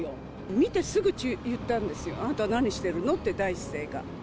見てすぐ言ったんですよ、あなた何してるのって、第一声が。